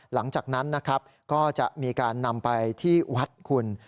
หลังจากนั้นนะครับก็จะมีการนำไปที่วัดคุณ